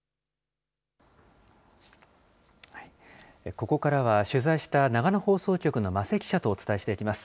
ここからは、取材した長野放送局の間瀬記者とお伝えしていきます。